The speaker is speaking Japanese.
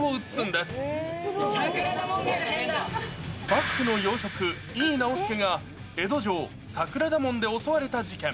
幕府の要職、井伊直弼が江戸城、桜田門で襲われた事件。